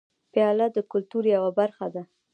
پیاله د کلتور یوه برخه ده.